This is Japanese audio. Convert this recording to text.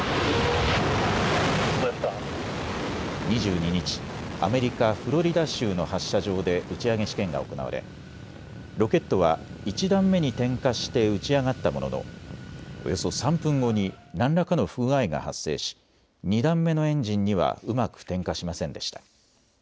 ２２日、アメリカ・フロリダ州の発射場で打ち上げ試験が行われロケットは１段目に点火して打ち上がったもののおよそ３分後に何らかの不具合が発生し２段目のエンジンにはうまく点火しませんでした。